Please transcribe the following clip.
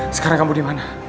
sekarang kamu dimana